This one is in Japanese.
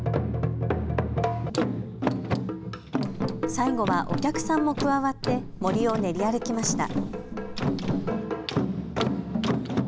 最後はお客さんも加わって、森を練り歩きました。